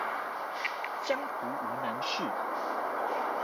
江湖無難事